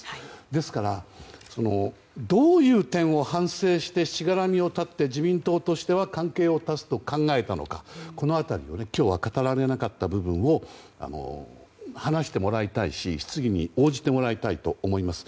ですから、どういう点を反省してしがらみを断って自民党としては関係を断つと考えたのかこの辺り今日は語られなかった部分を話してもらいたいし質疑に応じてもらいたいと思います。